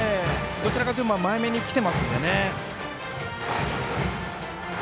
どちらかというと前めに来ていますので。